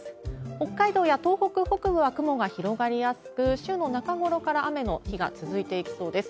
北海道や東北北部は雲が広がりやすく、週の中頃から雨の日が続いていきそうです。